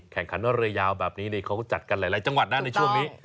แข่งขันเรือยาวแบบนี้เขาก็จัดกันหลายจังหวัดนะในช่วงนี้